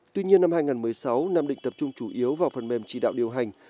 tuy nhiên năm hai nghìn một mươi sáu nam định tập trung chủ yếu vào phần mềm chỉ đạo điều hành